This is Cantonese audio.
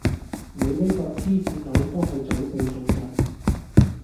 你呢個黐線佬都係早死早著